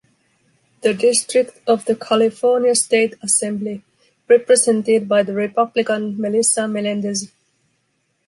The district of the California State Assembly, represented by the Republican Melissa Melendez.